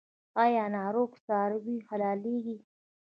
آیا ناروغه څاروي حلاليږي؟